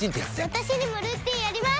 私にもルーティンあります！